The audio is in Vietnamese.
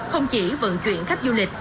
không chỉ vận chuyển khách du lịch